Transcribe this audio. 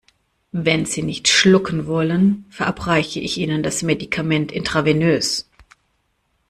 Wenn Sie nicht schlucken wollen, verabreiche ich Ihnen das Medikament intravenös.